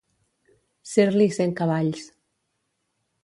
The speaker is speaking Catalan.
Ser-li cent cavalls.